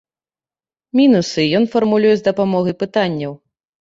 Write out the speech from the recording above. Мінусы ён фармулюе з дапамогай пытанняў.